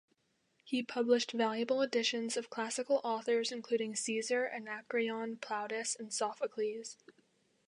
He published valuable editions of classical authors including Caesar, Anacreon, Plautus, and Sophocles.